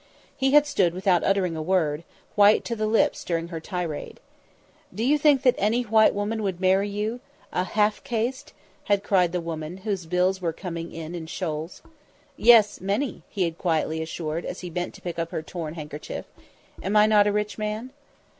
He had stood without uttering a word, white to the lips during her tirade. "Do you think that any white woman would marry you a half caste?" had cried the woman, whose bills were coming in in shoals. "Yes, many," he had quietly answered as he bent to pick up her torn, handkerchief. "Am I not a rich man?"